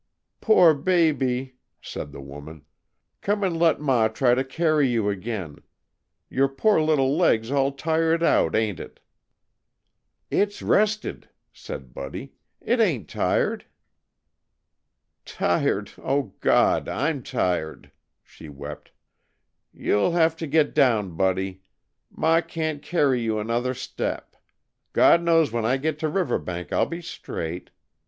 "Poor baby!" said the woman. "Come and let Ma try to carry you again. Your poor little leg's all tired out, ain't it?" "It's rested," said Buddy, "it ain't tired." "Tired, oh, God, I'm tired!" she wept. "You'll have to get down, Buddy. Ma can't carry you another step. God knows when I get to Riverbank I'll be straight.